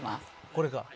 これか。